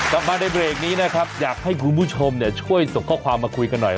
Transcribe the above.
กลับมาในเบรกนี้นะครับอยากให้คุณผู้ชมช่วยส่งข้อความมาคุยกันหน่อย